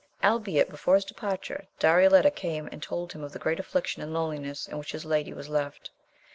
Albeit, before his departure, Darioleta came and told him of the great afiliction and loneliness in which his lady was left.